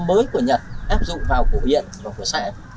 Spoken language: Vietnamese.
và chúng ta sẽ vào chùa gặp thầy